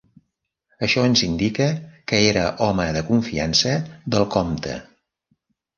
Això ens indica que era home de confiança del comte.